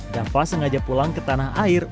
dava sengaja pulang ke tanah air